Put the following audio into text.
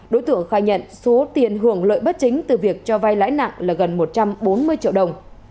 đối tượng khai nhận số tiền hưởng lợi bất chính từ việc cho vai lãi nặng là gần một trăm bốn mươi triệu đồng